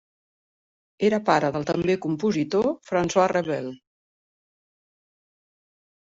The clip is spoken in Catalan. Era pare del també compositor François Rebel.